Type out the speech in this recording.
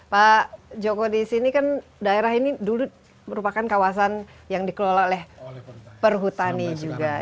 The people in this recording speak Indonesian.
pak joko di sini kan daerah ini dulu merupakan kawasan yang dikelola oleh perhutani juga